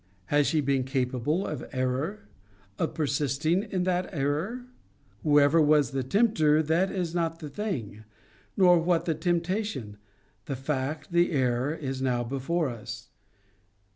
Has she been capable of error? Of persisting in that error? Whoever was the tempter, that is not the thing; nor what the temptation. The fact, the error, is now before us.